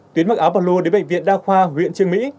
tuyến mặc áo và lua đến bệnh viện đa khoa nguyện trương mỹ